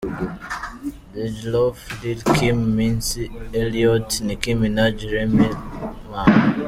Dej Loaf Lil Kim Missy Elliott Nicki Minaj Remy Ma.